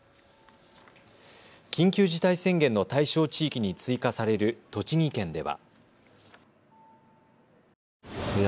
緊急事態宣言の対象地域に追加される栃木県では。